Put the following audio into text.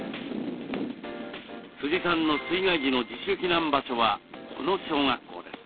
さんの水害時の自主避難場所はこの小学校です。